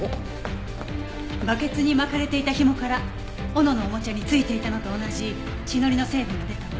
バケツに巻かれていた紐から斧のおもちゃに付いていたのと同じ血のりの成分が出たわ。